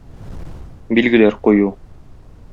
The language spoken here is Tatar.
Билгеләр кую.